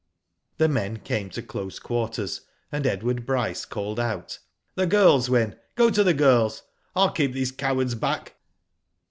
The men came to close quarters, and Edward Bryce called out: "The girls, Wyn. Go to the girls. Pll keep these cowards back.